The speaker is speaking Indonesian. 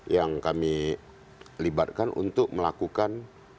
yang kami libatkan untuk melakukan